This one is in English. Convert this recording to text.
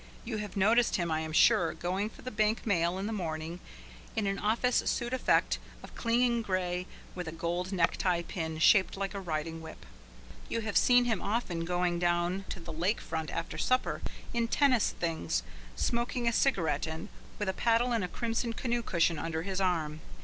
You have noticed him, I am sure, going for the bank mail in the morning in an office suit effect of clinging grey with a gold necktie pin shaped like a riding whip. You have seen him often enough going down to the lake front after supper, in tennis things, smoking a cigarette and with a paddle and a crimson canoe cushion under his arm.